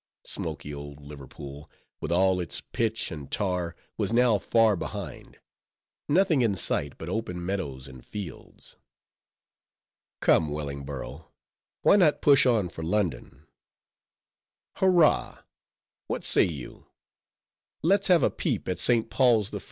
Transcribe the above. Smoky old Liverpool, with all its pitch and tar was now far behind; nothing in sight but open meadows and fields. Come, Wellingborough, why not push on for London?— Hurra! what say you? let's have a peep at St. Paul's?